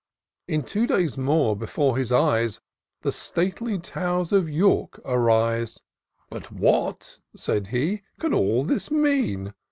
In two days more, before his eyes The stately towers of York arise. " But what," said he, " can all this mean